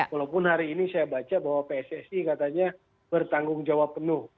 walaupun hari ini saya baca bahwa pssi katanya bertanggung jawab penuh